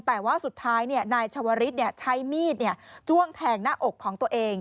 แต่ว่าสุดท้ายนายชวริสใช้มีดจ้วงแทงหน้าอกของตัวเอง